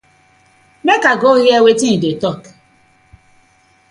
Mak I go heaar wetin im dey tok.